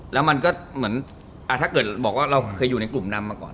ถ้าเกิดบอกว่าเราอยู่ในกลุ่มนำก่อน